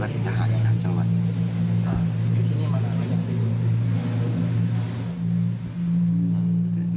ไม่แน่น